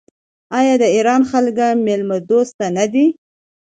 آیا د ایران خلک میلمه دوست نه دي؟